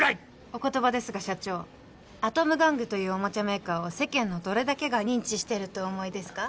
お言葉ですが社長アトム玩具というおもちゃメーカーを世間のどれだけが認知してるとお思いですか？